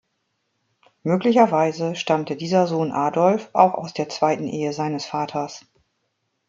Möglicherweise stammte dieser Sohn Adolf auch aus der zweiten Ehe seines Vaters.